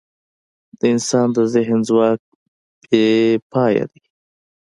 د انسان د ذهن ځواک بېپایه دی.